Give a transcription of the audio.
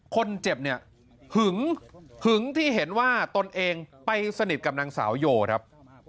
คนเจ็บเนี่ยหึงหึงที่เห็นว่าตนเองไปสนิทกับนางสาวโยครับ